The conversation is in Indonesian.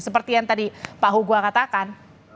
seperti yang tadi pak hugo katakan